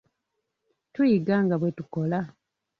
Tuyiga nga bwe tukola.